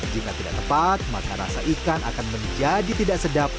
jika tidak tepat maka rasa ikan akan menjadi tidak sedap